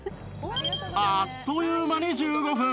あっという間に１５分